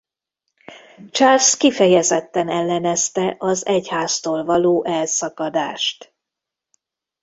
Charles kifejezetten ellenezte az egyháztól való elszakadást.